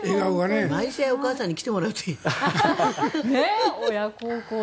毎試合お母さんに来てもらうといいね。